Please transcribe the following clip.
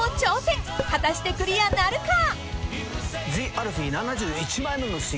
［果たしてクリアなるか？］